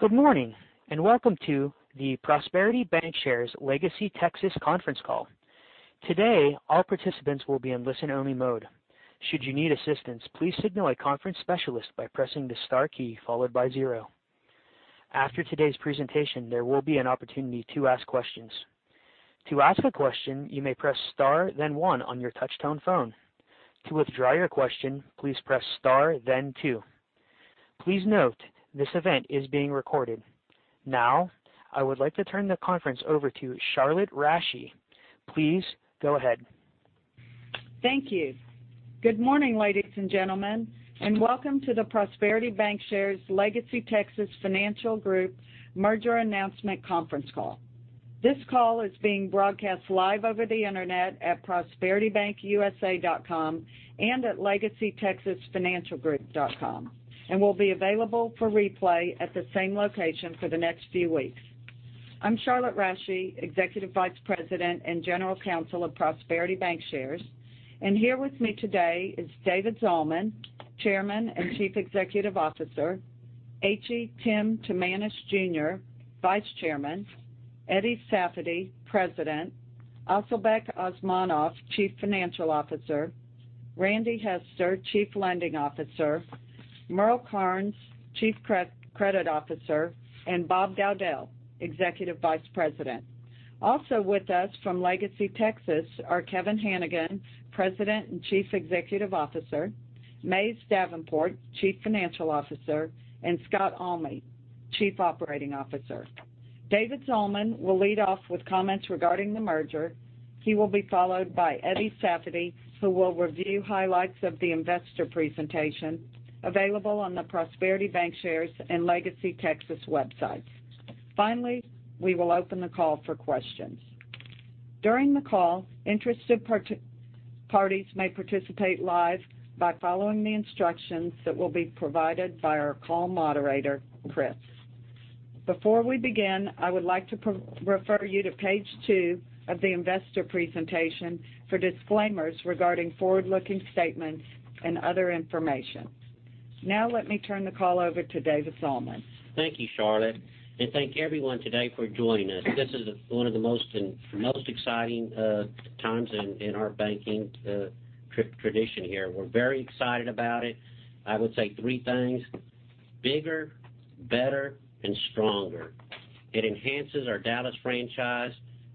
Good morning, and welcome to the Prosperity Bancshares LegacyTexas conference call. Today, all participants will be in listen only mode. Should you need assistance, please signal a conference specialist by pressing the star key followed by zero. After today's presentation, there will be an opportunity to ask questions. To ask a question, you may press star, then one on your touchtone phone. To withdraw your question, please press star, then two. Please note, this event is being recorded. Now, I would like to turn the conference over to Charlotte Rasche. Please go ahead. Thank you. Good morning, ladies and gentlemen, and welcome to the Prosperity Bancshares LegacyTexas Financial Group merger announcement conference call. This call is being broadcast live over the internet at prosperitybankusa.com and at legacytexasfinancialgroup.com, and will be available for replay at the same location for the next few weeks. I'm Charlotte Rasche, Executive Vice President and General Counsel of Prosperity Bancshares. Here with me today is David Zalman, Chairman and Chief Executive Officer, H.E. Tim Timanus, Jr., Vice Chairman, Eddie Safady, President, Asylbek Osmonov, Chief Financial Officer, Randy Hester, Chief Lending Officer, Merle Karnes, Chief Credit Officer, and Bob Dowdell, Executive Vice President. Also with us from LegacyTexas are Kevin Hanigan, President and Chief Executive Officer, Mays Davenport, Chief Financial Officer, and Scott Almy, Chief Operating Officer. David Zalman will lead off with comments regarding the merger. He will be followed by Eddie Safady, who will review highlights of the investor presentation available on the Prosperity Bancshares and LegacyTexas websites. Finally, we will open the call for questions. During the call, interested parties may participate live by following the instructions that will be provided by our call moderator, Chris. Before we begin, I would like to refer you to page two of the investor presentation for disclaimers regarding forward-looking statements and other information. Now let me turn the call over to David Zalman. Thank you, Charlotte, and thank everyone today for joining us. This is one of the most exciting times in our banking tradition here. We're very excited about it. I would say three things, bigger, better, and stronger. It enhances our Dallas franchise.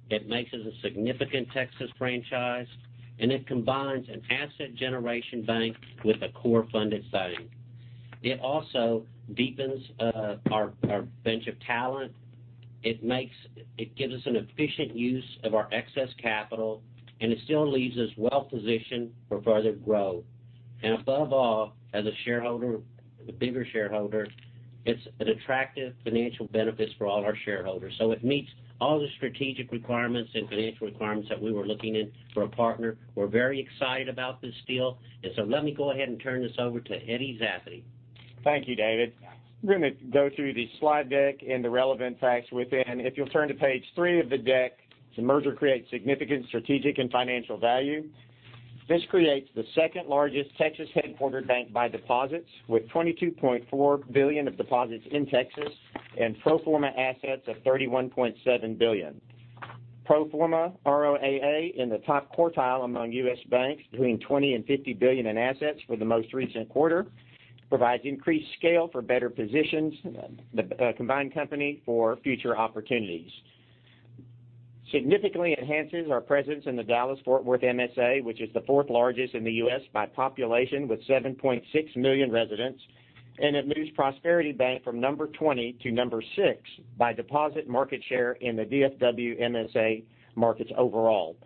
It makes us a significant Texas franchise, and it combines an asset generation bank with a core funded side. It also deepens our bench of talent. It gives us an efficient use of our excess capital, and it still leaves us well-positioned for further growth. Above all, as a shareholder, the bigger shareholder, it's an attractive financial benefits for all our shareholders. It meets all the strategic requirements and financial requirements that we were looking in for a partner. We're very excited about this deal. Let me go ahead and turn this over to Eddie Safady. Thank you, David. We're going to go through the slide deck and the relevant facts within. If you'll turn to page three of the deck, the merger creates significant strategic and financial value. This creates the second largest Texas headquartered bank by deposits, with $22.4 billion of deposits in Texas and pro forma assets of $31.7 billion. Pro forma ROAA in the top quartile among U.S. banks between $20 billion and $50 billion in assets for the most recent quarter, provides increased scale for better positions the combined company for future opportunities. Significantly enhances our presence in the Dallas-Fort Worth MSA, which is the fourth largest in the U.S. by population with 7.6 million residents, and it moves Prosperity Bank from number 20 to number 6 by deposit market share in the DFW MSA markets overall.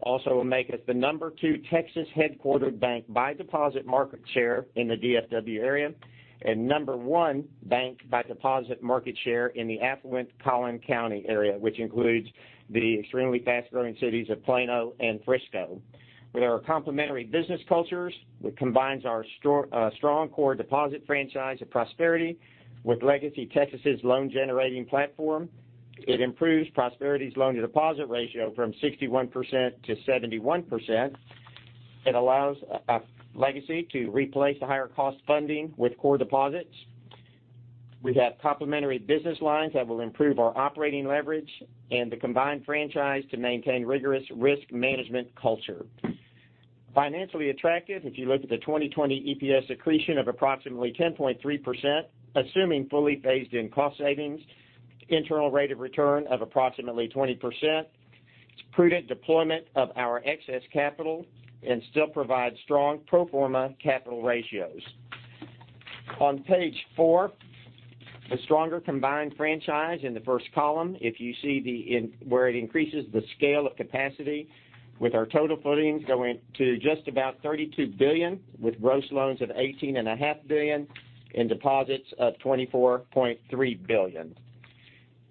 Also will make us the number 2 Texas headquartered bank by deposit market share in the DFW area and number 1 bank by deposit market share in the affluent Collin County area, which includes the extremely fast-growing cities of Plano and Frisco. With our complementary business cultures, it combines our strong core deposit franchise at Prosperity with LegacyTexas' loan generating platform. It improves Prosperity's loan-to-deposit ratio from 61%-71%. It allows LegacyTexas to replace the higher cost funding with core deposits. We have complementary business lines that will improve our operating leverage and the combined franchise to maintain rigorous risk management culture. Financially attractive, if you look at the 2020 EPS accretion of approximately 10.3%, assuming fully phased in cost savings, internal rate of return of approximately 20%, it's prudent deployment of our excess capital and still provides strong pro forma capital ratios. On page four, the stronger combined franchise in the first column, if you see where it increases the scale of capacity with our total footings going to just about $32 billion, with gross loans of $18.5 billion and deposits of $24.3 billion.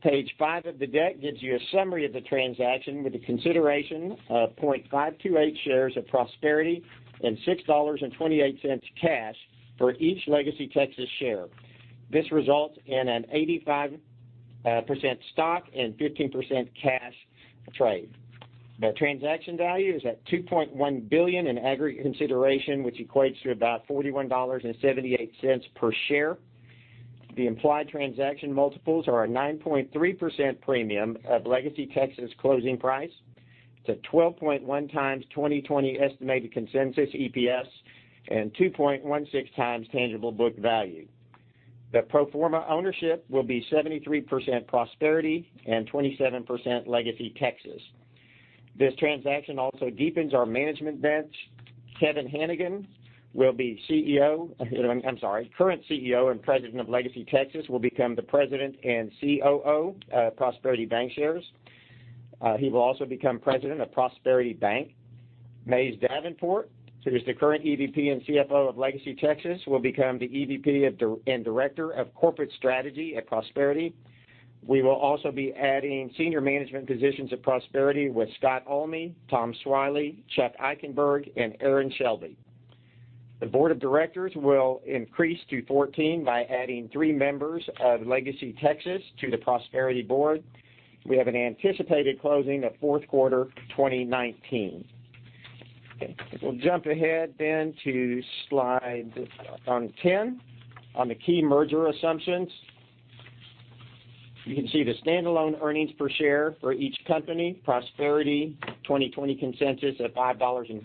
Page five of the deck gives you a summary of the transaction with a consideration of 0.528 shares of Prosperity and $6.28 cash for each LegacyTexas share. This results in an 85% stock and 15% cash trade. The transaction value is at $2.1 billion in aggregate consideration, which equates to about $41.78 per share. The implied transaction multiples are a 9.3% premium of LegacyTexas closing price to 12.1x 2020 estimated consensus EPS and 2.16x tangible book value. The pro forma ownership will be 73% Prosperity and 27% LegacyTexas. This transaction also deepens our management bench. Kevin Hanigan will be current CEO and President of LegacyTexas will become the President and COO at Prosperity Bancshares. He will also become president of Prosperity Bank. Mays Davenport, who is the current EVP and CFO of LegacyTexas, will become the EVP and Director of Corporate Strategy at Prosperity. We will also be adding senior management positions at Prosperity with Scott Almy, Tom Swiley, Chuck Eikenberg, and Aaron Shelby. The board of directors will increase to 14 by adding three members of LegacyTexas to the Prosperity board. We have an anticipated closing of fourth quarter 2019. We'll jump ahead to slide 10, on the key merger assumptions. You can see the standalone EPS for each company, Prosperity 2020 consensus at $5.05 and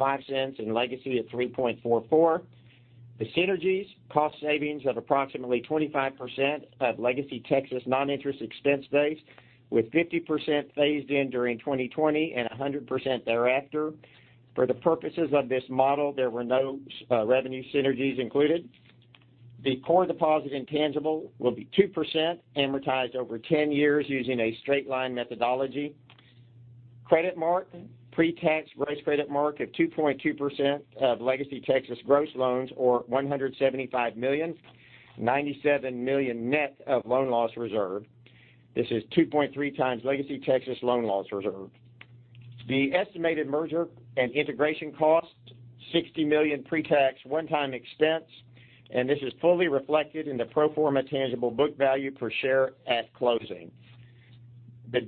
LegacyTexas at $3.44. Synergies cost savings of approximately 25% of LegacyTexas non-interest expense base, with 50% phased in during 2020 and 100% thereafter. For the purposes of this model, there were no revenue synergies included. Core deposit intangible will be 2% amortized over 10 years using a straight line methodology. Credit mark, pre-tax risk credit mark of 2.2% of LegacyTexas gross loans or $175 million, $97 million net of loan loss reserve. This is 2.3 times LegacyTexas loan loss reserve. Estimated merger and integration cost, $60 million pre-tax one-time expense, and this is fully reflected in the pro forma tangible book value per share at closing.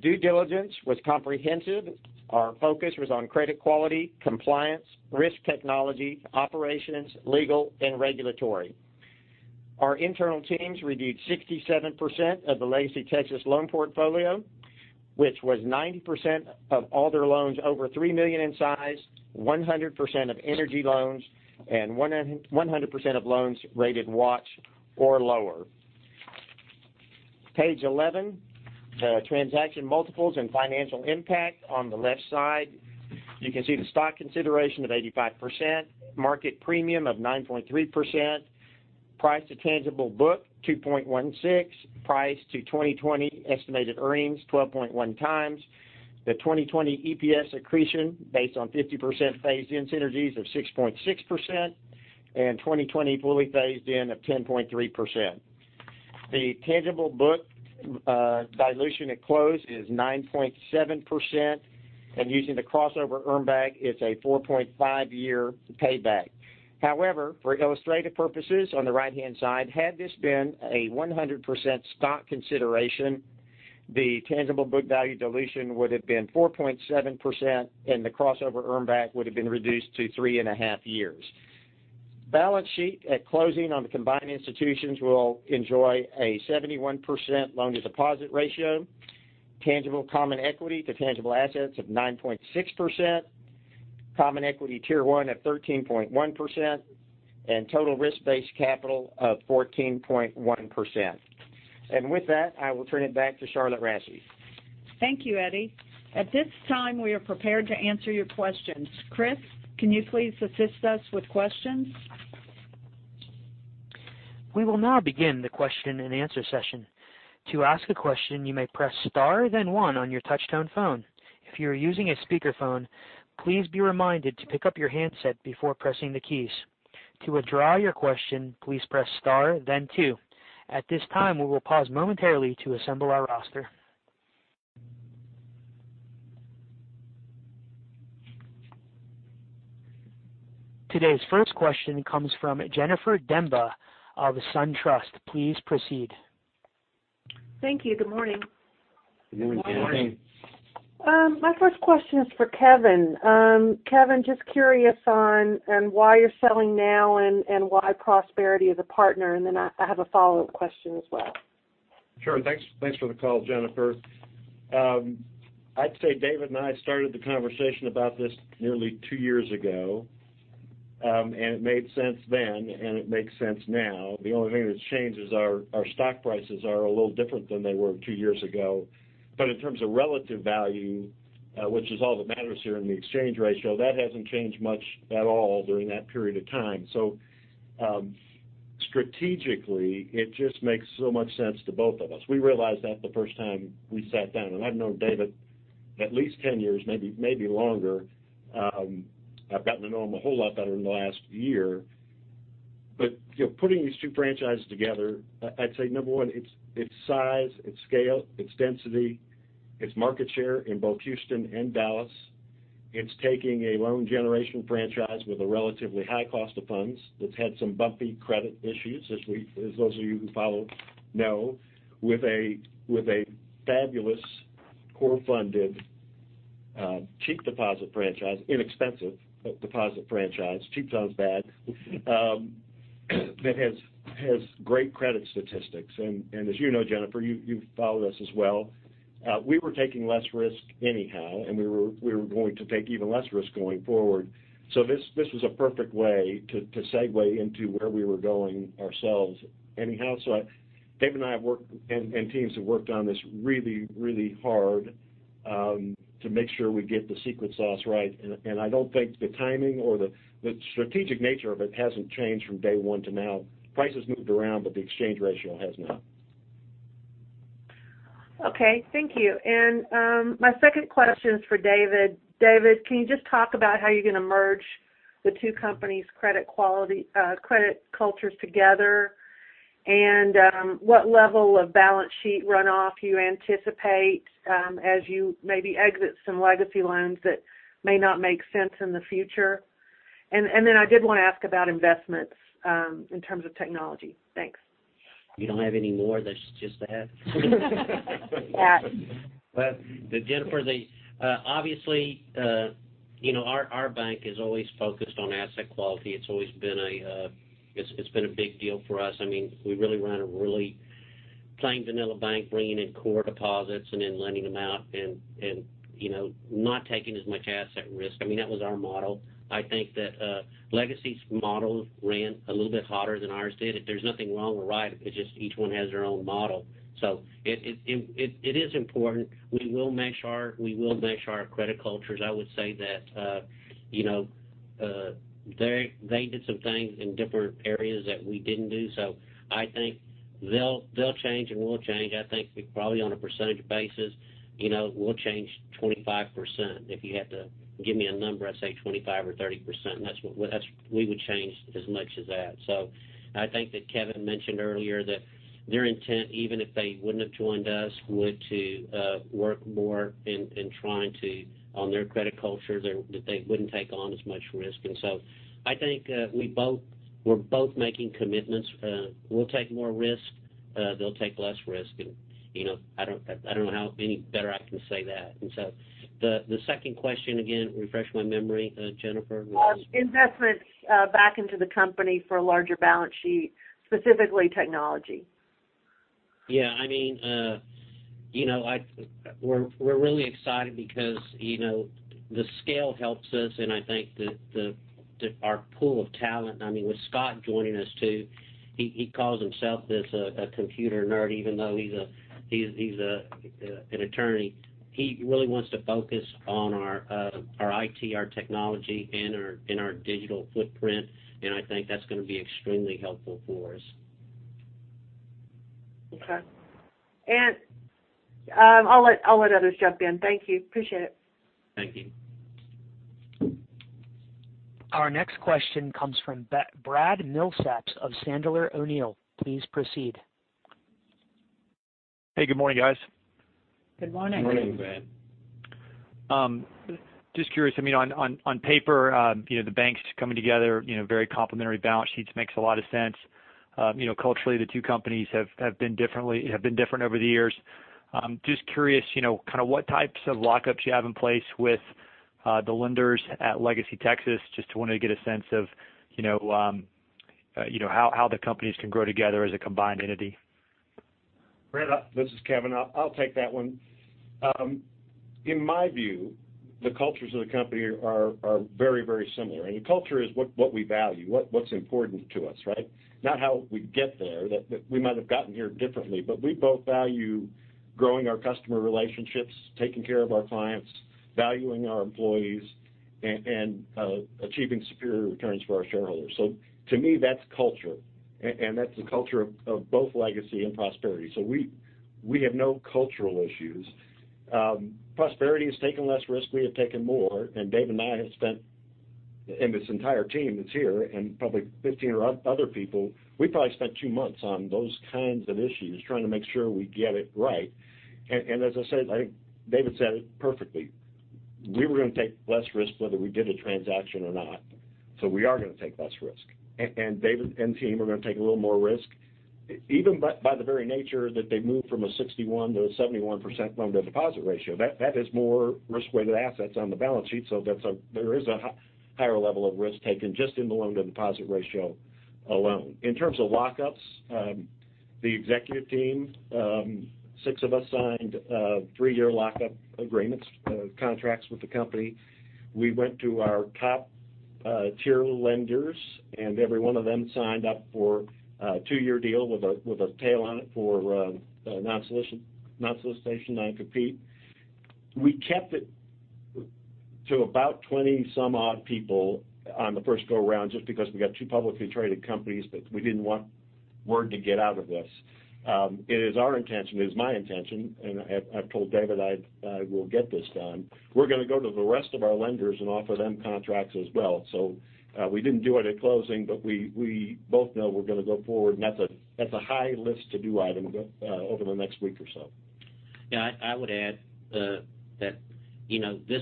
Due diligence was comprehensive. Our focus was on credit quality, compliance, risk technology, operations, legal, and regulatory. Our internal teams reviewed 67% of the LegacyTexas loan portfolio, which was 90% of all their loans over $3 million in size, 100% of energy loans, and 100% of loans rated watch or lower. Page 11, transaction multiples and financial impact on the left side. You can see the stock consideration of 85%, market premium of 9.3%, price to tangible book 2.16, price to 2020 estimated earnings 12.1 times, the 2020 EPS accretion based on 50% phased-in synergies of 6.6%, and 2020 fully phased in at 10.3%. Tangible book dilution at close is 9.7%, and using the crossover earn-back, it's a 4.5 year payback. However, for illustrative purposes, on the right-hand side, had this been a 100% stock consideration, the tangible book value dilution would have been 4.7% and the crossover earn-back would have been reduced to three and a half years. Balance sheet at closing on the combined institutions will enjoy a 71% loan-to-deposit ratio, tangible common equity to tangible assets of 9.6%, Common Equity Tier 1 at 13.1%, and total risk-based capital of 14.1%. With that, I will turn it back to Charlotte Rasche. Thank you, Eddie. At this time, we are prepared to answer your questions. Chris, can you please assist us with questions? We will now begin the question and answer session. To ask a question, you may press star then one on your touch-tone phone. If you are using a speakerphone, please be reminded to pick up your handset before pressing the keys. To withdraw your question, please press star then two. At this time, we will pause momentarily to assemble our roster. Today's first question comes from Jennifer Demba of SunTrust. Please proceed. Thank you. Good morning. Good morning. Good morning. My first question is for Kevin. Kevin, just curious on why you're selling now and why Prosperity is a partner, and then I have a follow-up question as well. Sure. Thanks for the call, Jennifer. I'd say David and I started the conversation about this nearly two years ago. It made sense then, and it makes sense now. The only thing that's changed is our stock prices are a little different than they were two years ago. In terms of relative value, which is all that matters here in the exchange ratio, that hasn't changed much at all during that period of time. Strategically, it just makes so much sense to both of us. We realized that the first time we sat down. I've known David at least 10 years, maybe longer. I've gotten to know him a whole lot better in the last year. Putting these two franchises together, I'd say, number one, it's size, it's scale, it's density, it's market share in both Houston and Dallas. It's taking a loan generation franchise with a relatively high cost of funds that's had some bumpy credit issues, as those of you who follow know, with a fabulous core funded Cheap deposit franchise, inexpensive deposit franchise. Cheap sounds bad. That has great credit statistics. As you know, Jennifer, you've followed us as well, we were taking less risk anyhow, and we were going to take even less risk going forward. This was a perfect way to segue into where we were going ourselves anyhow. David and I have worked, and teams have worked on this really, really hard to make sure we get the secret sauce right. I don't think the timing or the strategic nature of it hasn't changed from day one to now. Prices moved around, but the exchange ratio has not. Okay. Thank you. My second question is for David. David, can you just talk about how you're going to merge the two companies' credit cultures together and what level of balance sheet runoff you anticipate as you maybe exit some Legacy loans that may not make sense in the future? I did want to ask about investments in terms of technology. Thanks. You don't have any more? That's just that? That. Well, Jennifer, obviously, our bank has always focused on asset quality. It's always been a big deal for us. We really run a really plain vanilla bank, bringing in core deposits and then lending them out and not taking as much asset risk. That was our model. I think that Legacy's model ran a little bit hotter than ours did. There's nothing wrong or right, it's just each one has their own model. It is important. We will mesh our credit cultures. I would say that they did some things in different areas that we didn't do. I think they'll change and we'll change. I think we probably, on a percentage basis, we'll change 25%. If you had to give me a number, I'd say 25% or 30%. We would change as much as that. I think that Kevin mentioned earlier that their intent, even if they wouldn't have joined us, would to work more in trying to, on their credit culture, that they wouldn't take on as much risk. I think we're both making commitments. We'll take more risk; they'll take less risk. I don't know how any better I can say that. The second question again, refresh my memory, Jennifer. Investments back into the company for a larger balance sheet, specifically technology. Yeah. We're really excited because the scale helps us, and I think that our pool of talent, with Scott joining us too, he calls himself a computer nerd, even though he's an attorney. He really wants to focus on our IT, our technology, and our digital footprint, and I think that's going to be extremely helpful for us. Okay. I'll let others jump in. Thank you. Appreciate it. Thank you. Our next question comes from Brad Milsaps of Sandler O'Neill. Please proceed. Hey, good morning, guys. Good morning. Morning, Brad. Just curious, on paper, the banks coming together, very complementary balance sheets, makes a lot of sense. Culturally, the two companies have been different over the years. Just curious, what types of lockups you have in place with the lenders at LegacyTexas, just to want to get a sense of how the companies can grow together as a combined entity. Brad, this is Kevin. I'll take that one. In my view, the cultures of the company are very similar. Culture is what we value, what's important to us, right? Not how we get there, that we might have gotten here differently, but we both value growing our customer relationships, taking care of our clients, valuing our employees, and achieving superior returns for our shareholders. To me, that's culture. That's the culture of both Legacy and Prosperity. We have no cultural issues. Prosperity has taken less risk, we have taken more, David and I have spent, and this entire team that's here and probably 15 or other people, we probably spent two months on those kinds of issues, trying to make sure we get it right. As I said, I think David said it perfectly. We were going to take less risk whether we did a transaction or not. We are going to take less risk. David and team are going to take a little more risk. Even by the very nature that they moved from a 61% to a 71% loan-to-deposit ratio, that is more risk-weighted assets on the balance sheet, there is a higher level of risk taken just in the loan-to-deposit ratio alone. In terms of lockups, the executive team, six of us signed three-year lockup agreements, contracts with the company. We went to our top-tier lenders, and every one of them signed up for a two-year deal with a tail on it for non-solicitation, non-compete. We kept it to about 20-some odd people on the first go around, just because we got two publicly traded companies that we didn't want word to get out of this. It is our intention, it is my intention, I've told David I will get this done. We're going to go to the rest of our lenders and offer them contracts as well. We didn't do it at closing, we both know we're going to go forward, that's a high list-to-do item over the next week or so. Yeah, I would add that this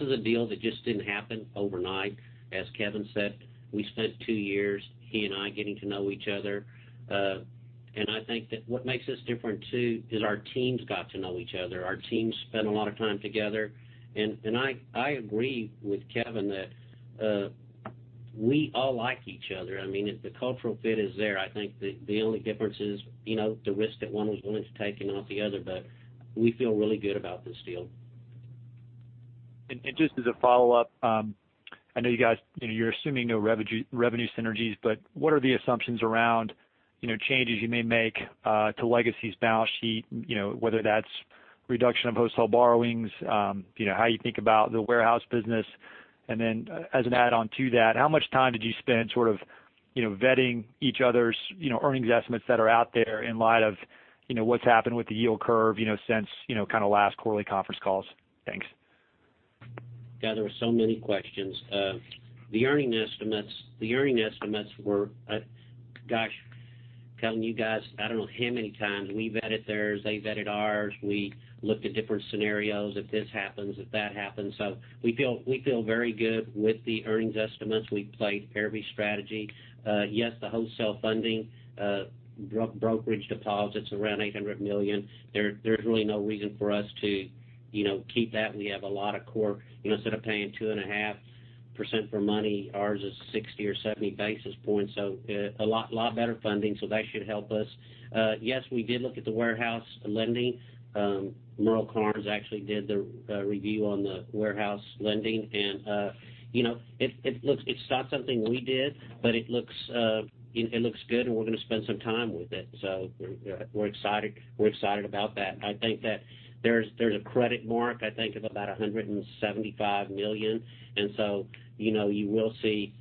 is a deal that just didn't happen overnight. As Kevin said, we spent 2 years, he and I, getting to know each other. I think that what makes us different too, is our teams got to know each other. Our teams spend a lot of time together. I agree with Kevin that we all like each other. I mean, the cultural fit is there. I think the only difference is the risk that one is willing to take and not the other, but we feel really good about this deal. Just as a follow-up, I know you guys, you're assuming no revenue synergies, but what are the assumptions around changes you may make to LegacyTexas's balance sheet, whether that's reduction of wholesale borrowings, how you think about the warehouse business? Then as an add-on to that, how much time did you spend sort of vetting each other's earnings estimates that are out there in light of what's happened with the yield curve since kind of last quarterly conference calls? Thanks. Yeah, there were so many questions. The earning estimates were, gosh, telling you guys, I don't know how many times we vetted theirs, they vetted ours. We looked at different scenarios if this happens, if that happens. We feel very good with the earnings estimates. We've played every strategy. Yes, the wholesale funding, brokerage deposits around $800 million. There's really no reason for us to keep that. We have a lot of core. Instead of paying 2.5% for money, ours is 60 or 70 basis points. A lot better funding. That should help us. Yes, we did look at the warehouse lending. Merle Karnes actually did the review on the warehouse lending, it's not something we did, but it looks good and we're going to spend some time with it. We're excited about that. I think that there's a credit mark, I think, of about $175 million. You will see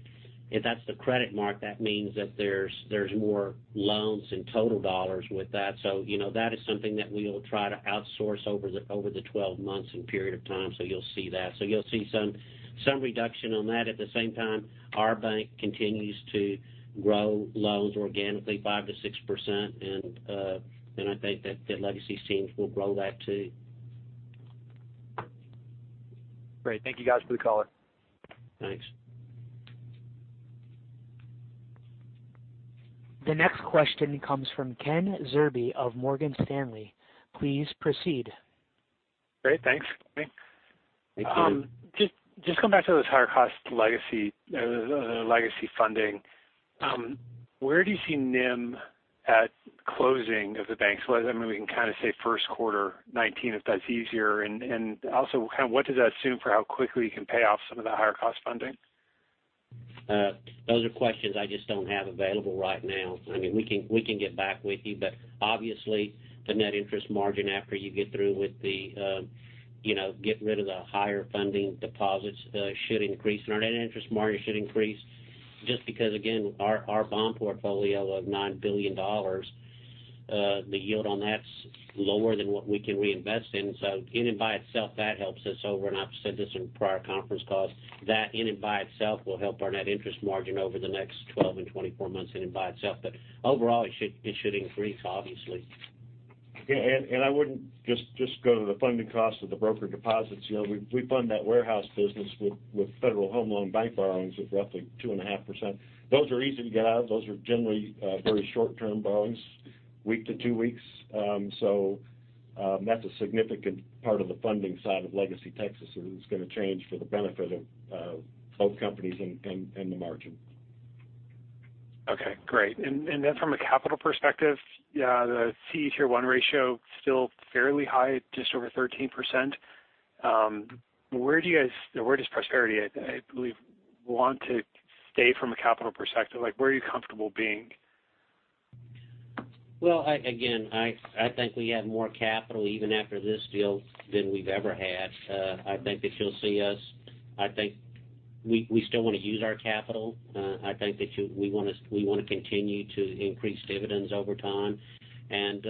if that's the credit mark, that means that there's more loans and total dollars with that. That is something that we will try to outsource over the 12 months and period of time. You'll see that. You'll see some reduction on that. At the same time, our bank continues to grow loans organically 5%-6%. I think that LegacyTexas seems we'll grow that too. Great. Thank you guys for the color. Thanks. The next question comes from Kenneth Zerbe of Morgan Stanley. Please proceed. Great. Thanks for taking my call. Thank you. Come back to those higher cost Legacy funding. Where do you see NIM at closing of the banks? I mean, we can say first quarter 2019, if that's easier. Also what does that assume for how quickly you can pay off some of the higher cost funding? Those are questions I just don't have available right now. I mean, we can get back with you, obviously the net interest margin after you get through with the getting rid of the higher funding deposits should increase and our net interest margin should increase. Just because, again, our bond portfolio of $9 billion, the yield on that's lower than what we can reinvest in. In and by itself, that helps us over, and I've said this in prior conference calls, that in and by itself will help our net interest margin over the next 12 and 24 months in and by itself, overall, it should increase, obviously. Yeah, I wouldn't just go to the funding cost of the broker deposits. We fund that warehouse business with Federal Home Loan Bank borrowings of roughly 2.5%. Those are easy to get out. Those are generally very short-term borrowings, week to two weeks. That's a significant part of the funding side of LegacyTexas is going to change for the benefit of both companies and the margin. Okay, great. From a capital perspective, the Tier 1 ratio still fairly high at just over 13%. Where does Prosperity, I believe, want to stay from a capital perspective? Where are you comfortable being? Well, again, I think we have more capital even after this deal than we've ever had. I think we still want to use our capital. I think that we want to continue to increase dividends over time, and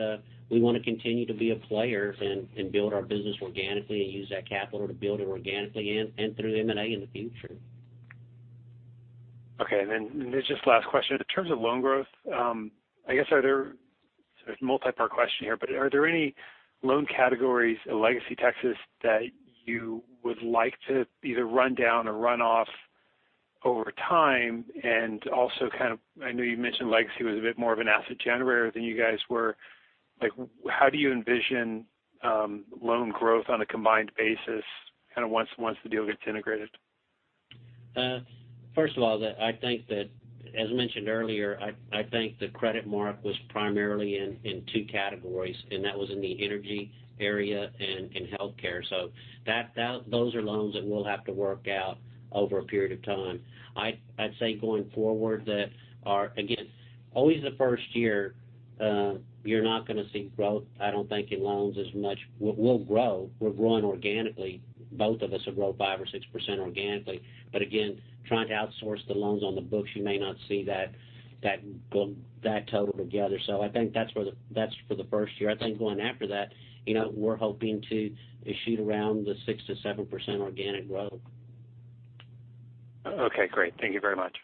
we want to continue to be a player and build our business organically and use that capital to build it organically and through M&A in the future. Okay, this is just last question. In terms of loan growth, I guess, so it's a multi-part question here, are there any loan categories at LegacyTexas that you would like to either run down or run off over time? Also kind of, I know you mentioned Legacy was a bit more of an asset generator than you guys were. How do you envision loan growth on a combined basis kind of once the deal gets integrated? First of all, I think that, as mentioned earlier, I think the credit mark was primarily in two categories, and that was in the energy area and in healthcare. Those are loans that we'll have to work out over a period of time. I'd say going forward that are, again, always the first year, you're not going to see growth, I don't think, in loans as much. We'll grow. We're growing organically. Both of us have grown 5% or 6% organically. Again, trying to outsource the loans on the books, you may not see that total together. I think that's for the first year. I think going after that, we're hoping to shoot around the 6% to 7% organic growth. Okay, great. Thank you very much.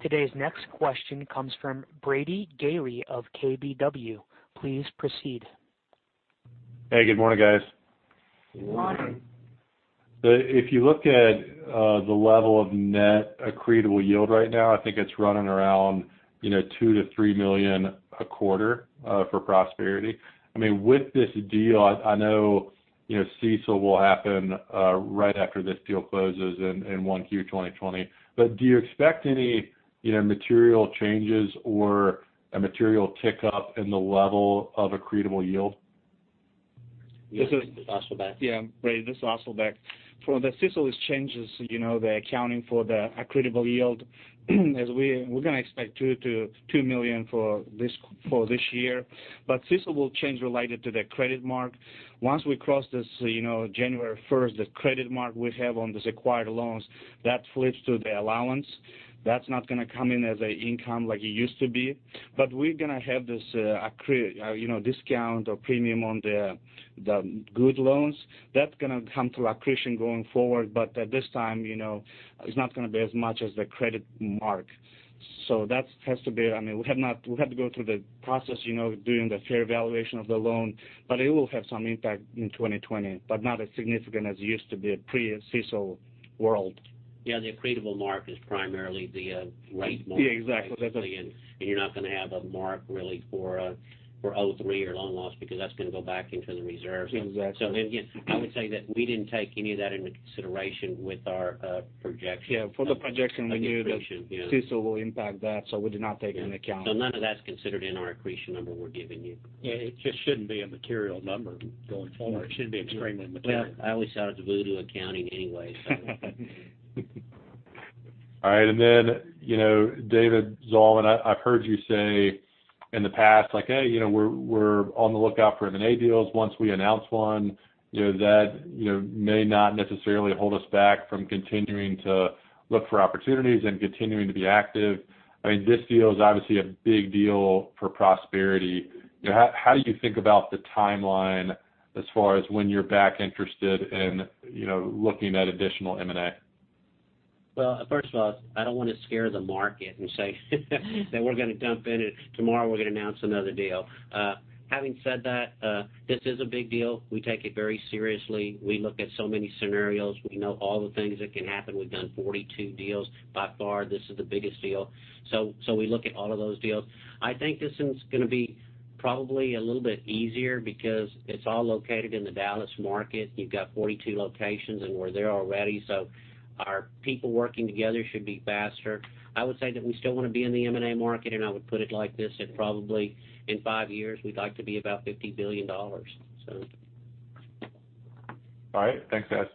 Today's next question comes from Brady Gailey of KBW. Please proceed. Hey, good morning, guys. Good morning. If you look at the level of net accretable yield right now, I think it's running around $2 million-$3 million a quarter for Prosperity. With this deal, I know CECL will happen right after this deal closes in 1Q 2020. Do you expect any material changes or a material tick up in the level of accretable yield? This is Asylbek. Yeah. Brady, this is Asylbek. For the CECL changes, the accounting for the accretable yield, we're going to expect $2 million for this year. CECL will change related to the credit mark. Once we cross this January 1st, the credit mark we have on these acquired loans, that flips to the allowance. That's not going to come in as an income like it used to be. We're going to have this discount or premium on the good loans. That's going to come to accretion going forward. At this time, it's not going to be as much as the credit mark. We have to go through the process, doing the fair valuation of the loan. It will have some impact in 2020, but not as significant as it used to be pre-CECL world. Yeah. The accretable mark is primarily the rate mark. Yeah, exactly. Basically, you're not going to have a mark really for OCI or loan loss because that's going to go back into the reserves. Exactly. Again, I would say that we didn't take any of that into consideration with our projection. Yeah, for the projection. I think you should. Yeah. we knew that CECL will impact that, so we did not take it into account. None of that's considered in our accretable yield number we're giving you. Yeah. It just shouldn't be a material number going forward. It shouldn't be extremely material. Well, I always thought it was voodoo accounting anyway. All right. David Zalman, I've heard you say in the past, like, "Hey, we're on the lookout for M&A deals once we announce one." That may not necessarily hold us back from continuing to look for opportunities and continuing to be active. This deal is obviously a big deal for Prosperity. How do you think about the timeline as far as when you're back interested in looking at additional M&A? Well, first of all, I don't want to scare the market and say that we're going to jump in and tomorrow we're going to announce another deal. Having said that, this is a big deal. We take it very seriously. We look at so many scenarios. We know all the things that can happen. We've done 42 deals. By far, this is the biggest deal. We look at all of those deals. I think this one's going to be probably a little bit easier because it's all located in the Dallas market. You've got 42 locations, and we're there already, so our people working together should be faster. I would say that we still want to be in the M&A market, and I would put it like this, that probably in five years, we'd like to be about $50 billion. All right. Thanks, guys.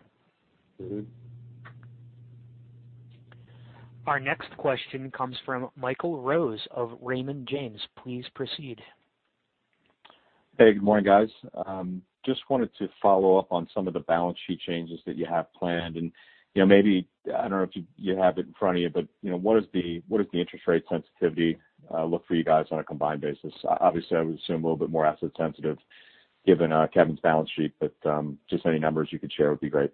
Our next question comes from Michael Rose of Raymond James. Please proceed. Hey, good morning, guys. Just wanted to follow up on some of the balance sheet changes that you have planned. Maybe, I don't know if you have it in front of you, but what does the interest rate sensitivity look for you guys on a combined basis? Obviously, I would assume a little bit more asset sensitive given Kevin's balance sheet, but just any numbers you could share would be great.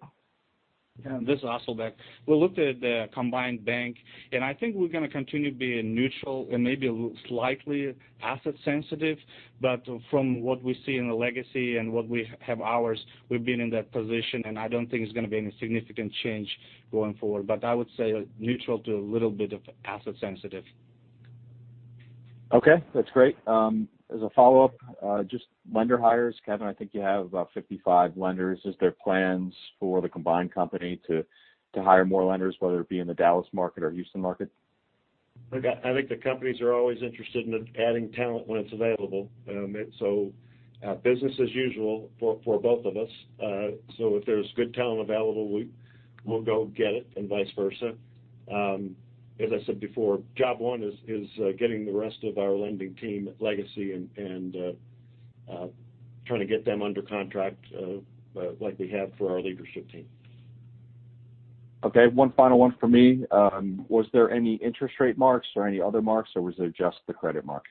This is Asylbek. We looked at the combined bank, and I think we're going to continue being neutral and maybe slightly asset sensitive. From what we see in the Legacy and what we have ours, we've been in that position, and I don't think it's going to be any significant change going forward. I would say neutral to a little bit of asset sensitive. Okay. That's great. As a follow-up, just lender hires. Kevin, I think you have about 55 lenders. Is there plans for the combined company to hire more lenders, whether it be in the Dallas market or Houston market? Look, I think the companies are always interested in adding talent when it's available. Business as usual for both of us. If there's good talent available, we'll go get it and vice versa. As I said before, job one is getting the rest of our lending team at Legacy and trying to get them under contract like we have for our leadership team. Okay. One final one from me. Was there any interest rate marks or any other marks, or was it just the credit mark?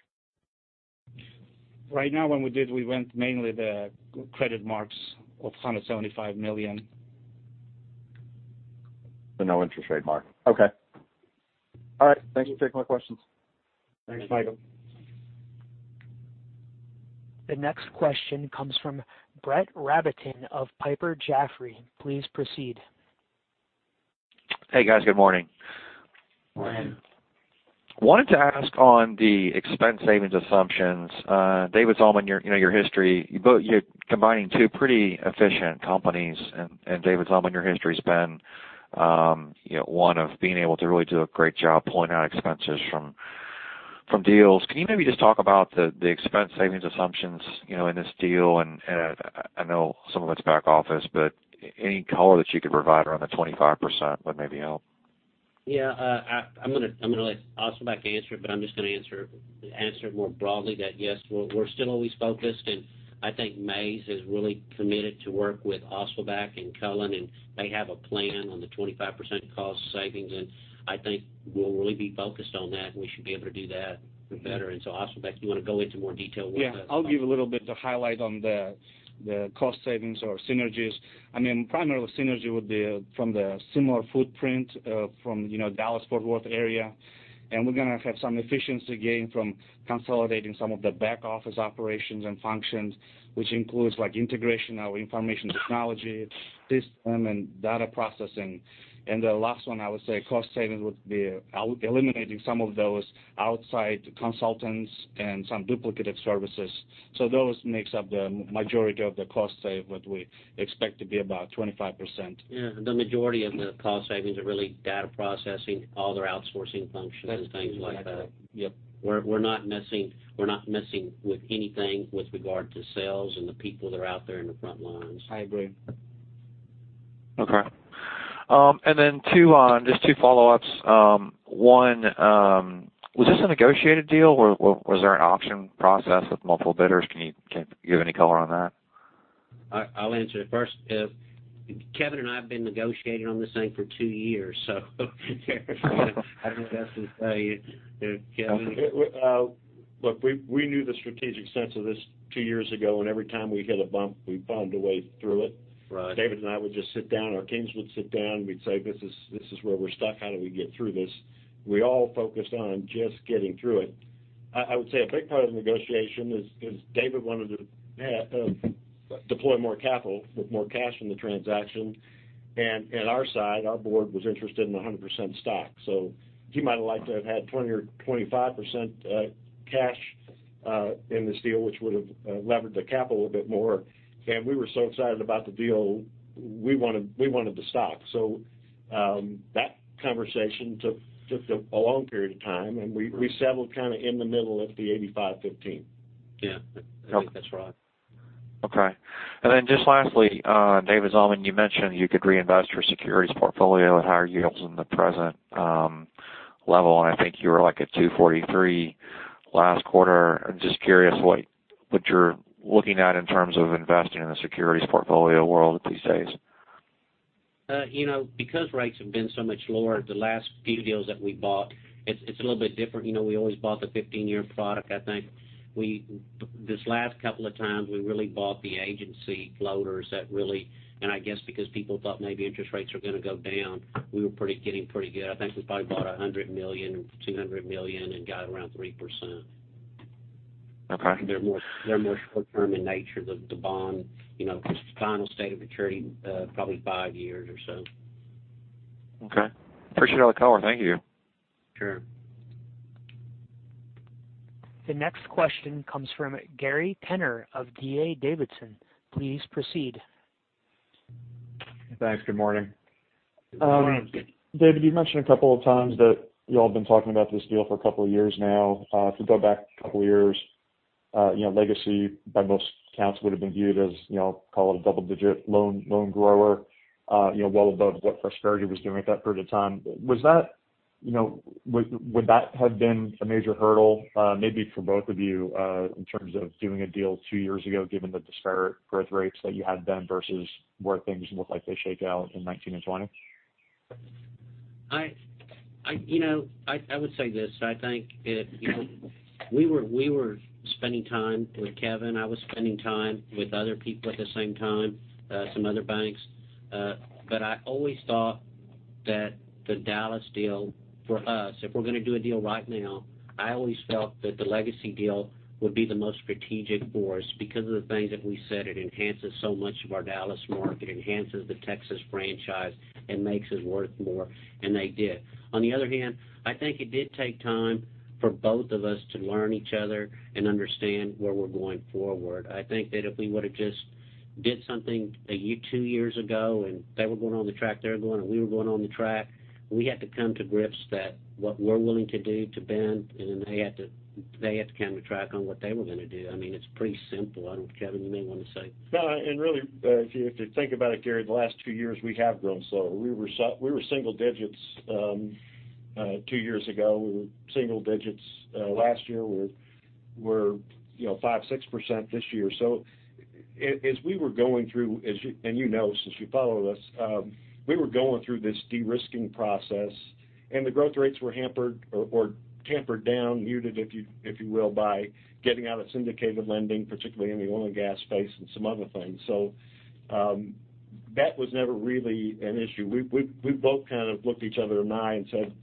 Right now when we did, we went mainly the credit marks of $175 million. No interest rate mark. Okay. All right. Thank you for taking my questions. Thanks, Michael. The next question comes from Brett Rabatin of Piper Jaffray. Please proceed. Hey, guys. Good morning. Morning. Wanted to ask on the expense savings assumptions. David Zalman, your history, you're combining two pretty efficient companies. David Zalman, your history has been one of being able to really do a great job pulling out expenses from deals. Can you maybe just talk about the expense savings assumptions in this deal? I know some of it's back office, but any color that you could provide around the 25% would maybe help. Yeah. I'm going to let Asylbek answer it. I'm just going to answer it more broadly that, yes, we're still always focused. I think Mays is really committed to work with Asylbek and Cullen. They have a plan on the 25% cost savings. I think we'll really be focused on that. We should be able to do that better. Asylbek, you want to go into more detail? Yeah. I'll give a little bit of highlight on the cost savings or synergies. Primarily, synergy would be from the similar footprint from Dallas-Fort Worth area. We're going to have some efficiency gain from Consolidating some of the back-office operations and functions, which includes integration, our information technology system, and data processing. The last one, I would say cost savings would be eliminating some of those outside consultants and some duplicated services. Those makes up the majority of the cost save, what we expect to be about 25%. Yeah. The majority of the cost savings are really data processing, all their outsourcing functions, things like that. Yep. We're not messing with anything with regard to sales and the people that are out there in the front lines. I agree. Okay. Just two follow-ups. One, was this a negotiated deal, or was there an auction process with multiple bidders? Can you give any color on that? I'll answer it first. Kevin and I have been negotiating on this thing for two years, so I think that should tell you. Kevin? Look, we knew the strategic sense of this two years ago, and every time we hit a bump, we found a way through it. Right. David and I would just sit down. Our teams would sit down. We'd say, "This is where we're stuck. How do we get through this?" We all focused on just getting through it. I would say a big part of the negotiation is David wanted to deploy more capital with more cash in the transaction, and our side, our board was interested in 100% stock. He might have liked to have had 20% or 25% cash in this deal, which would've levered the capital a bit more. We were so excited about the deal, we wanted the stock. That conversation took a long period of time, and we settled kind of in the middle at the 85/15. Yeah. I think that's right. Okay. Just lastly, David Zalman, you mentioned you could reinvest your securities portfolio at higher yields than the present level, and I think you were like at 243 last quarter. I'm just curious what you're looking at in terms of investing in the securities portfolio world these days. Because rates have been so much lower, the last few deals that we bought, it's a little bit different. We always bought the 15-year product, I think. This last couple of times, we really bought the agency floaters. I guess because people thought maybe interest rates are going to go down, we were getting pretty good. I think we probably bought $100 million, $200 million, and got around 3%. Okay. They're more short-term in nature, the bond. The final state of maturity, probably five years or so. Okay. Appreciate all the color. Thank you. Sure. The next question comes from Gary Tenner of D.A. Davidson. Please proceed. Thanks. Good morning. Good morning. David, you mentioned a couple of times that you all have been talking about this deal for a couple of years now. If we go back a couple of years, Legacy by most accounts would've been viewed as, call it a double-digit loan grower well above what Prosperity was doing at that point in time. Would that have been a major hurdle, maybe for both of you, in terms of doing a deal two years ago, given the disparate growth rates that you had then versus where things look like they shake out in 2019 and 2020? I would say this. I think we were spending time with Kevin. I was spending time with other people at the same time, some other banks. I always thought that the Dallas deal for us, if we're going to do a deal right now, I always felt that the Legacy deal would be the most strategic for us because of the things that we said. It enhances so much of our Dallas market, enhances the Texas franchise, and makes us worth more, and they did. On the other hand, I think it did take time for both of us to learn each other and understand where we're going forward. I think that if we would've just did something two years ago, and they were going on the track they were going, and we were going on the track, we had to come to grips that what we're willing to do to bend, and then they had to come to track on what they were going to do. It's pretty simple. I don't know, Kevin, you may want to say. No. Really, if you think about it, Gary Tenner, the last few years, we have grown slow. We were single digits two years ago. We were single digits last year. We're 5%, 6% this year. As we were going through, you know since you follow us, we were going through this de-risking process, and the growth rates were hampered or tampered down, muted, if you will, by getting out of syndicated lending, particularly in the oil and gas space and some other things. That was never really an issue. We both kind of looked each other in the eye and said,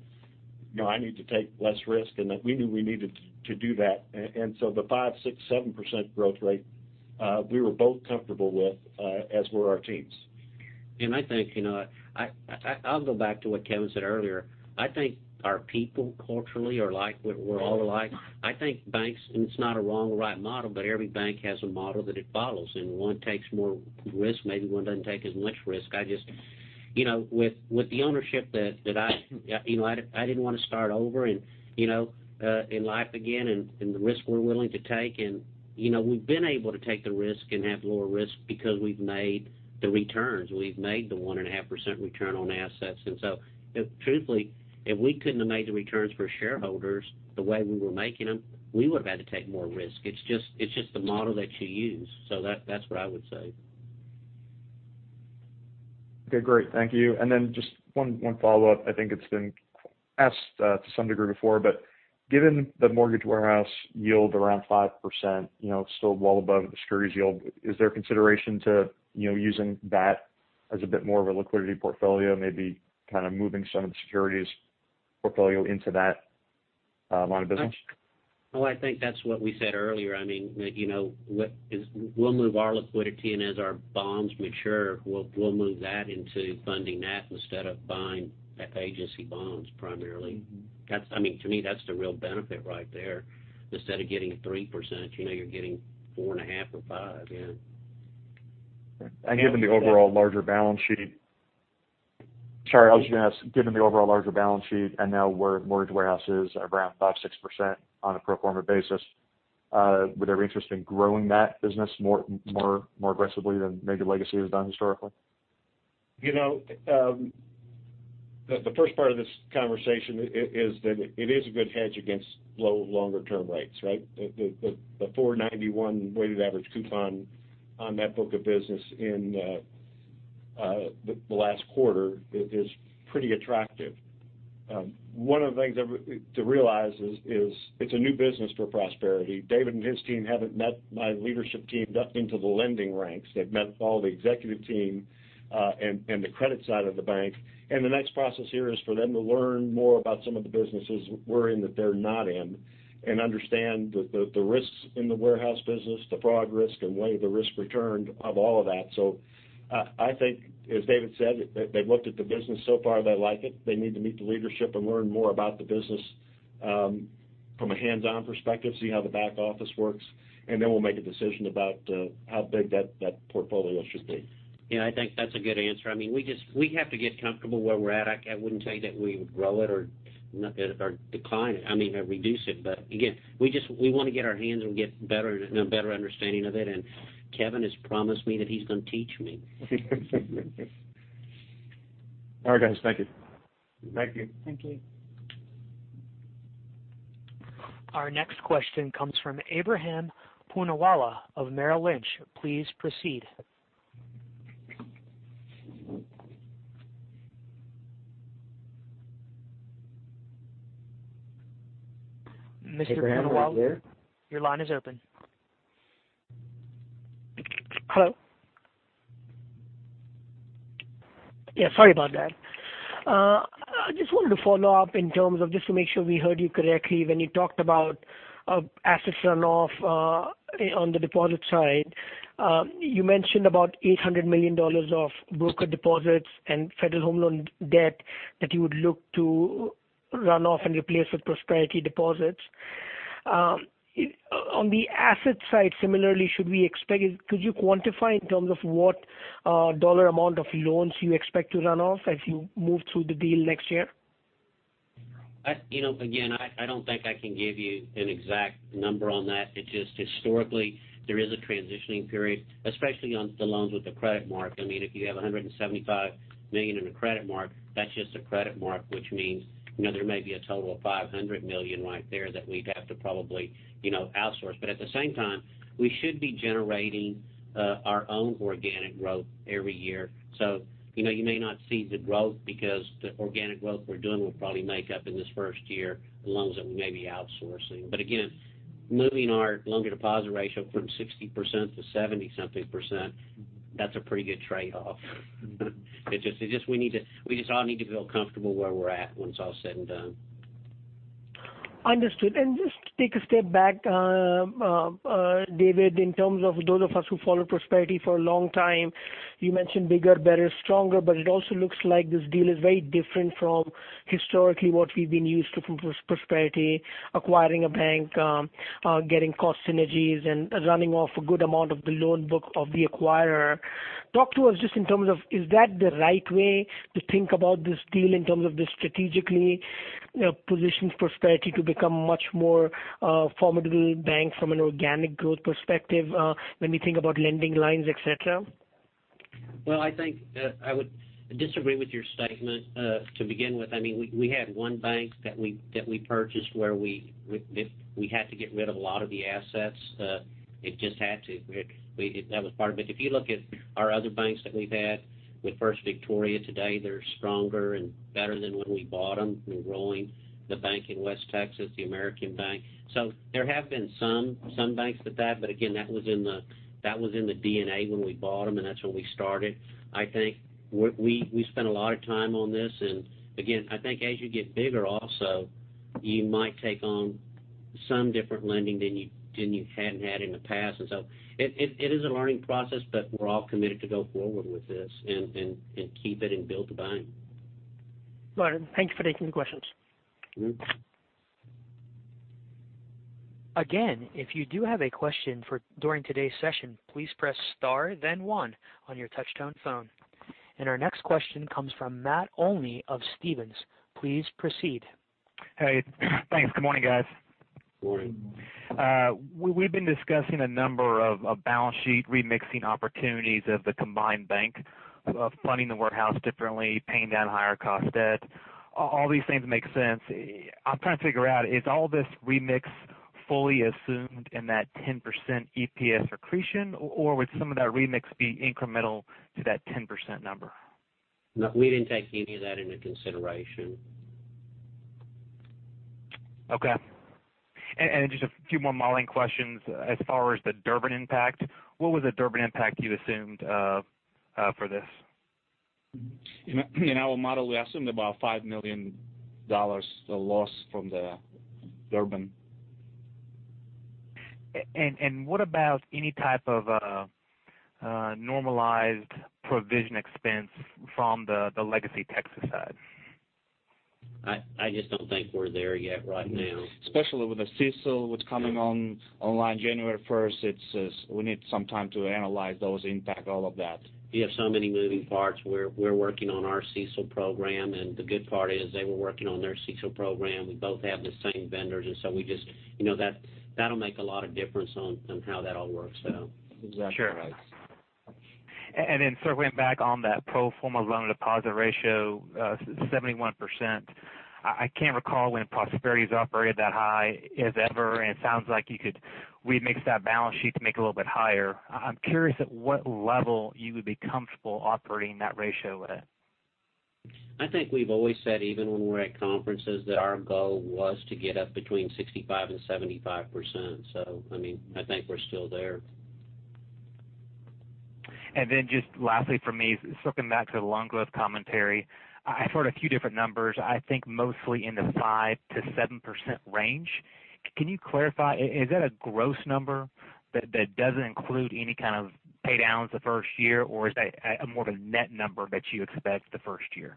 "I need to take less risk," and that we knew we needed to do that. The 5%, 6%, 7% growth rate, we were both comfortable with, as were our teams. I think, I'll go back to what Kevin Hanigan said earlier. I think our people culturally are like what we're all like. I think banks, and it's not a wrong or right model, but every bank has a model that it follows, and one takes more risk, maybe one doesn't take as much risk. I just, with the ownership that I didn't want to start over in life again, and the risk we're willing to take, and we've been able to take the risk and have lower risk because we've made the returns. We've made the 1.5% return on assets. Truthfully, if we couldn't have made the returns for shareholders the way we were making them, we would've had to take more risk. It's just the model that you use. That's what I would say. Okay, great. Thank you. Just one follow-up. I think it's been asked to some degree before, but given the mortgage warehouse yield around 5%, still well above the securities yield, is there consideration to using that as a bit more of a liquidity portfolio, maybe kind of moving some of the securities portfolio into that line of business? Well, I think that's what we said earlier. We'll move our liquidity as our bonds mature, we'll move that into funding that instead of buying agency bonds primarily. To me, that's the real benefit right there. Instead of getting 3%, you're getting 4.5% or 5%. Yeah. Sorry, I was going to ask, given the overall larger balance sheet, and now where mortgage warehouse is around 5%-6% on a pro forma basis, would there be interest in growing that business more aggressively than maybe Legacy has done historically? The first part of this conversation is that it is a good hedge against low longer term rates, right? The 491 weighted average coupon on that book of business in the last quarter is pretty attractive. One of the things to realize is it's a new business for Prosperity. David and his team haven't met my leadership team up into the lending ranks. They've met all the executive team and the credit side of the bank. The next process here is for them to learn more about some of the businesses we're in that they're not in and understand the risks in the warehouse business, the fraud risk, and weigh the risk/return of all of that. I think, as David said, they've looked at the business so far, they like it. They need to meet the leadership and learn more about the business from a hands-on perspective, see how the back office works, then we'll make a decision about how big that portfolio should be. Yeah, I think that's a good answer. We have to get comfortable where we're at. I wouldn't say that we would grow it or decline it, reduce it. Again, we want to get our hands and get a better understanding of it, Kevin has promised me that he's going to teach me. All right, guys. Thank you. Thank you. Thank you. Our next question comes from Ebrahim Poonawala of Merrill Lynch. Please proceed. Mr. Poonawala. Ebrahim, are you there? Your line is open. Hello. Yeah, sorry about that. I just wanted to follow up in terms of just to make sure we heard you correctly when you talked about assets run off on the deposit side. You mentioned about $800 million of broker deposits and Federal Home Loan debt that you would look to run off and replace with Prosperity deposits. On the asset side, similarly, could you quantify in terms of what dollar amount of loans you expect to run off as you move through the deal next year? I don't think I can give you an exact number on that. It's just historically, there is a transitioning period, especially on the loans with the credit mark. If you have $175 million in a credit mark, that's just a credit mark, which means there may be a total of $500 million right there that we'd have to probably outsource. At the same time, we should be generating our own organic growth every year. You may not see the growth because the organic growth we're doing will probably make up in this first year the loans that we may be outsourcing. Again, moving our loan-to-deposit ratio from 60%-70-something percent, that's a pretty good trade-off. We just all need to feel comfortable where we're at when it's all said and done. Understood. Just to take a step back, David, in terms of those of us who followed Prosperity for a long time, you mentioned bigger, better, stronger, but it also looks like this deal is very different from historically what we've been used to from Prosperity, acquiring a bank, getting cost synergies, and running off a good amount of the loan book of the acquirer. Talk to us just in terms of, is that the right way to think about this deal in terms of this strategically positions Prosperity to become much more formidable bank from an organic growth perspective when we think about lending lines, et cetera? Well, I think I would disagree with your statement to begin with. We had one bank that we purchased where we had to get rid of a lot of the assets. It just had to. That was part of it. If you look at our other banks that we've had, with First Victoria today, they're stronger and better than when we bought them. We're growing the bank in West Texas, the American Bank. There have been some banks with that, but again, that was in the DNA when we bought them, and that's when we started. I think we spent a lot of time on this, again, I think as you get bigger also, you might take on some different lending than you hadn't had in the past. It is a learning process, but we're all committed to go forward with this and keep it and build the bank. All right. Thank you for taking the questions. If you do have a question during today's session, please press star then one on your touch-tone phone. Our next question comes from Matt Olney of Stephens. Please proceed. Hey, thanks. Good morning, guys. Good morning. We've been discussing a number of balance sheet remixing opportunities of the combined bank, of funding the warehouse differently, paying down higher cost debt. All these things make sense. I'm trying to figure out, is all this remix fully assumed in that 10% EPS accretion, or would some of that remix be incremental to that 10% number? No, we didn't take any of that into consideration. Okay. Just a few more modeling questions. As far as the Durbin impact, what was the Durbin impact you assumed for this? In our model, we assumed about $5 million loss from the Durbin. What about any type of normalized provision expense from the LegacyTexas side? I just don't think we're there yet right now. Especially with the CECL what's coming on online January 1st, we need some time to analyze those impact, all of that. We have so many moving parts. We're working on our CECL program, the good part is they were working on their CECL program. We both have the same vendors, that'll make a lot of difference on how that all works. Exactly, right. Sure. Circling back on that pro forma loan-to-deposit ratio, 71%, I can't recall when Prosperity's operated that high as ever, and it sounds like you could remix that balance sheet to make it a little bit higher. I'm curious at what level you would be comfortable operating that ratio at. I think we've always said, even when we're at conferences, that our goal was to get up between 65% and 75%. I think we're still there. Just lastly from me, circling back to the loan growth commentary. I heard a few different numbers, I think mostly in the 5%-7% range. Can you clarify, is that a gross number that doesn't include any kind of paydowns the first year, or is that a more of a net number that you expect the first year?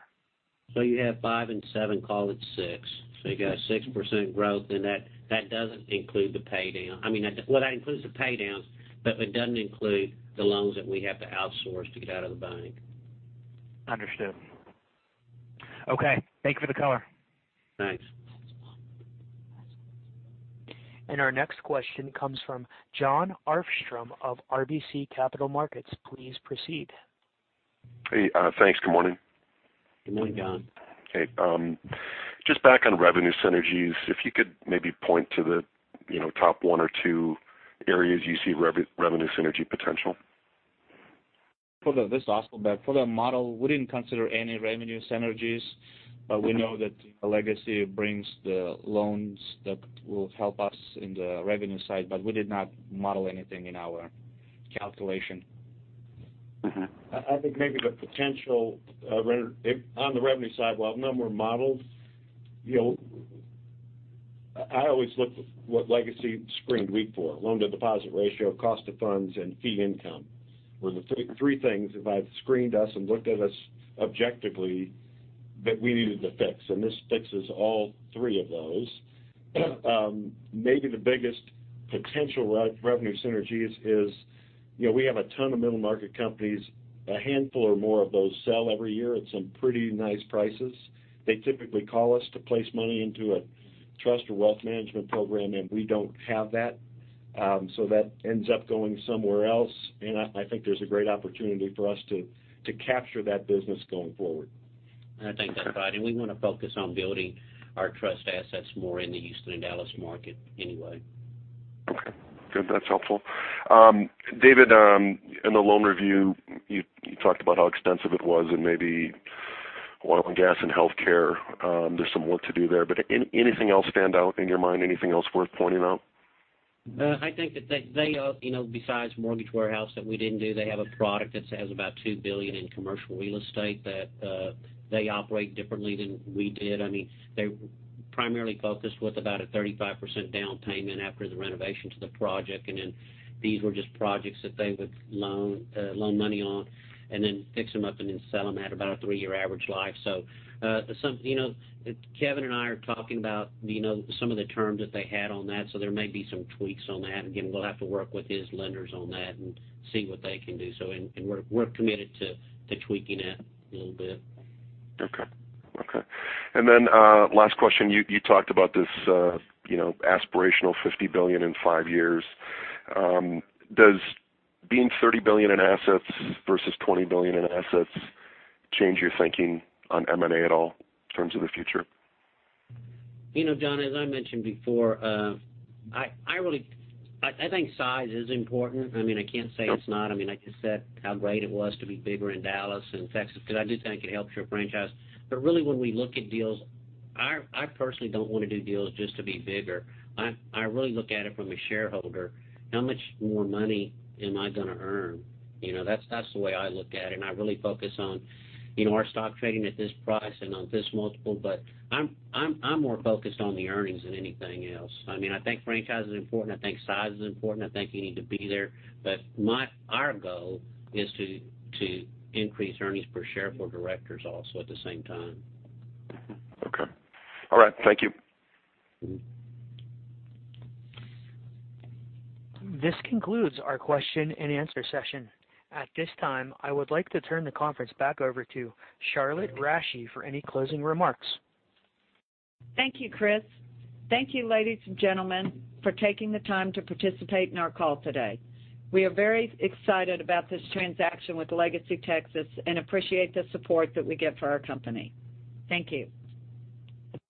You have five and seven, call it six. You got 6% growth, and that doesn't include the paydown. I mean, that includes the paydowns, but it doesn't include the loans that we have to outsource to get out of the bank. Understood. Okay. Thank you for the color. Thanks. Our next question comes from Jon Arfstrom of RBC Capital Markets. Please proceed. Hey, thanks. Good morning. Good morning, Jon. Okay. Just back on revenue synergies. If you could maybe point to the top one or two areas you see revenue synergy potential. This is Asylbek Osmonov. For the model, we didn't consider any revenue synergies, but we know that Legacy brings the loans that will help us in the revenue side, but we did not model anything in our calculation. I think maybe the potential on the revenue side, while none were modeled, I always looked at what Legacy screened weak for, loan-to-deposit ratio, cost of funds, and fee income, were the three things if I had screened us and looked at us objectively that we needed to fix, and this fixes all three of those. Maybe the biggest potential revenue synergies is we have a ton of middle-market companies. A handful or more of those sell every year at some pretty nice prices. They typically call us to place money into a trust or wealth management program, and we don't have that. That ends up going somewhere else, and I think there's a great opportunity for us to capture that business going forward. I think that, [Roddy], we want to focus on building our trust assets more in the Houston and Dallas market anyway. Okay, good. That's helpful. David, in the loan review, you talked about how extensive it was and maybe oil and gas and healthcare, there's some work to do there. Anything else stand out in your mind? Anything else worth pointing out? I think that they, besides Mortgage Warehouse that we didn't do, they have a product that has about $2 billion in commercial real estate that they operate differently than we did. They primarily focused with about a 35% down payment after the renovation to the project, these were just projects that they would loan money on and then fix them up and then sell them at about a three-year average life. Kevin and I are talking about some of the terms that they had on that, there may be some tweaks on that. Again, we'll have to work with his lenders on that and see what they can do. We're committed to tweaking it a little bit. Okay. Last question, you talked about this aspirational $50 billion in five years. Does being $30 billion in assets versus $20 billion in assets change your thinking on M&A at all in terms of the future? Jon, as I mentioned before, I think size is important. I can't say it's not. I just said how great it was to be bigger in Dallas and Texas because I do think it helps your franchise. Really when we look at deals, I personally don't want to do deals just to be bigger. I really look at it from a shareholder, how much more money am I going to earn? That's the way I look at it, and I really focus on our stock trading at this price and on this multiple, but I'm more focused on the earnings than anything else. I think franchise is important, I think size is important. I think you need to be there. Our goal is to increase earnings per share for directors also at the same time. Okay. All right. Thank you. This concludes our question and answer session. At this time, I would like to turn the conference back over to Charlotte Rasche for any closing remarks. Thank you, Chris. Thank you, ladies and gentlemen, for taking the time to participate in our call today. We are very excited about this transaction with LegacyTexas and appreciate the support that we get for our company. Thank you.